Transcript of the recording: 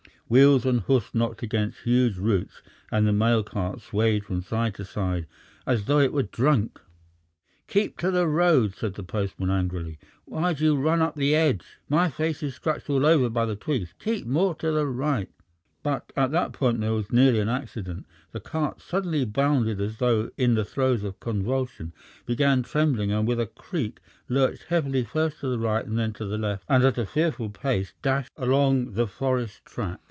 Wheels and hoofs knocked against huge roots, and the mail cart swayed from side to side as though it were drunk. "Keep to the road," said the postman angrily. "Why do you run up the edge? My face is scratched all over by the twigs! Keep more to the right!" But at that point there was nearly an accident. The cart suddenly bounded as though in the throes of a convulsion, began trembling, and, with a creak, lurched heavily first to the right and then to the left, and at a fearful pace dashed along the forest track.